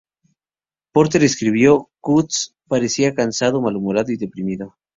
Porter escribió: "Cutts parecía cansado, malhumorado y deprimido.